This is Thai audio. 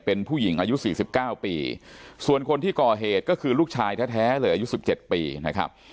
เป็นผู้หญิงอายุสี่สิบเก้าปีส่วนคนที่กอเหตุก็คือลูกชายแท้แท้เลยอายุสิบเจ็บปีนะครับ